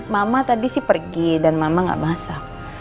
mama tadi sih pergi dan mama nggak masak